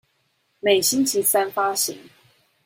每星期三發行